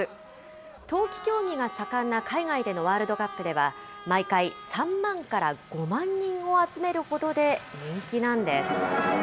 冬季競技が盛んな海外でのワールドカップでは、毎回、３万から５万人を集めるほどで人気なんです。